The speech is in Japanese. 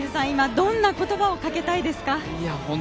今どんな言葉をかけたいですか。